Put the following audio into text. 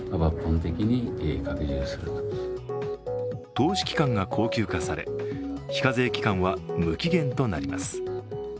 投資期間が恒久化され、非課税期間は無期限となります。